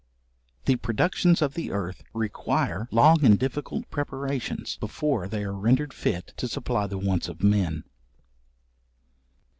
The productions of the earth require long and difficult preparations, before they are rendered fit to supply the wants of men.